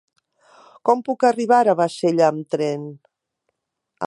Com puc arribar a Bassella amb tren?